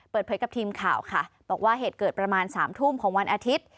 เปิดเผยกับทีมข่าวค่ะบอกว่าเหตุเกิดประมาณ๓ทุ่มของวันอาทิตย์